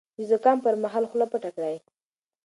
د زکام پر مهال خوله پټه کړئ.